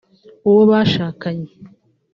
uwo bashakanye